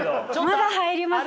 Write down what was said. まだ入りますよ。